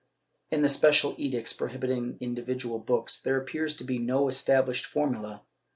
^ In the special edicts prohibiting individual books, there appears to be no established formula.